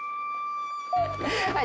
はい。